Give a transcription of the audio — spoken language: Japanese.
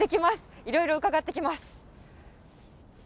いろいろ伺ってきます。